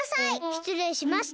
しつれいしました。